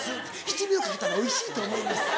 七味をかけたらおいしいと思います。